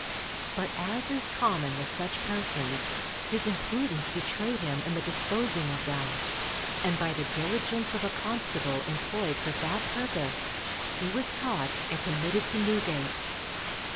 But as is common with such persons, his imprudence betrayed him in the disposing of them, and by the diligence of a constable employed for that purpose, he was caught and committed to Newgate.